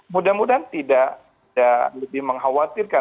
mudah mudahan tidak lebih mengkhawatirkan